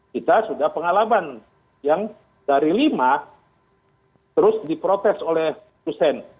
kita sudah pengalaman yang dari lima terus diprotes oleh hussein